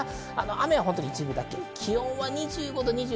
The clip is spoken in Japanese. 雨は本当に一部、気温は２５２６度。